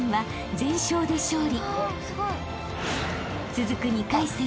［続く２回戦。